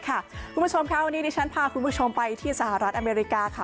คุณผู้ชมค่ะวันนี้ดิฉันพาคุณผู้ชมไปที่สหรัฐอเมริกาค่ะ